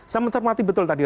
saya mencermati betul tadi